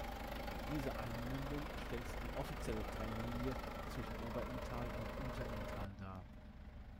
Diese Einmündung stellt die offizielle Trennlinie zwischen Oberinntal und Unterinntal dar.